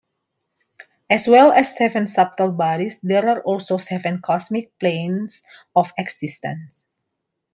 As well as seven subtle bodies, there are also seven Cosmic planes of existence.